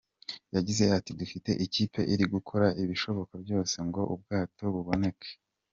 Yagize ati “Dufite ikipe iri gukora ibishoboka byose ngo ubwato buboneke.